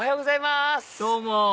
どうも！